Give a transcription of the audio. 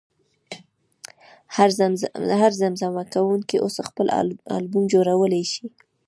هر زمزمه کوونکی اوس خپل البوم جوړولی شي.